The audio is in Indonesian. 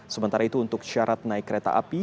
sementara itu untuk syarat naik kereta api